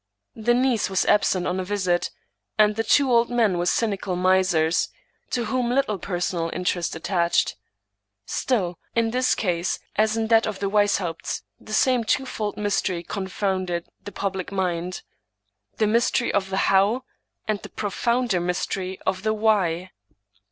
The niece was absent on a visit, and the two old men were cynical misers, to whom little personal interest attached. Still, in this case as in that of the Weishaupts, the same twofold mystery confounded the public mind — the mystery of the how, and the profounder mystery of the why.